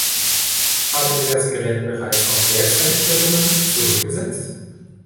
Haben Sie das Gerät bereits auf Werkseinstellungen zurückgesetzt?